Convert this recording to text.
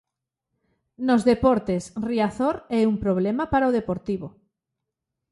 Nos deportes, Riazor é un problema para o Deportivo.